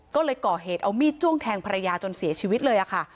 ก็เลยก่อเหตุเอามีดจ้วงแทงภรรยาจนเสียชีวิตเลยค่ะ